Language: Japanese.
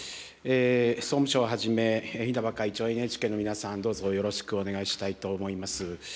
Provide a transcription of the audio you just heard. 総務省はじめ、稲葉会長、ＮＨＫの皆さん、どうぞよろしくお願いしたいと思います。